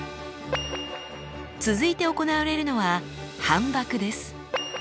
続いて行われるのは反ばくです。